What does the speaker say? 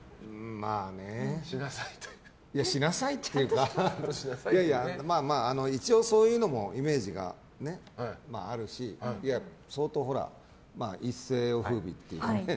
まあねしなさいっていうか一応そういうのもイメージがあるし相当、一世を風靡っていうかね。